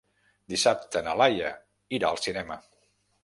Dissabte na Laia irà al cinema.